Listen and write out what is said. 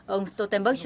ông stoltenberg cho biết